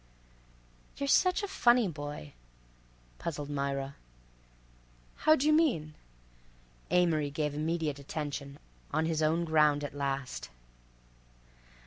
"You're such a funny boy," puzzled Myra. "How d'y' mean?" Amory gave immediate attention, on his own ground at last.